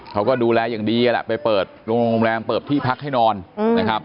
เขาก็ดูแลอย่างดีแหละไปเปิดโรงแรมเปิดที่พักให้นอนนะครับ